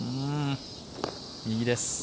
右です。